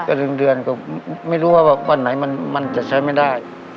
ก็๑เดือนก็ไม่รู้ว่าวันไหนมันจะใช้ไม่ได้